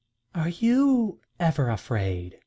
"Are you ever afraid?"